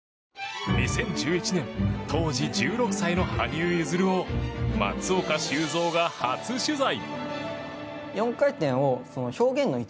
２０１１年当時１６歳の羽生結弦を松岡修造が初取材。